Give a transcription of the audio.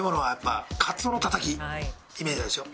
イメージあるでしょ？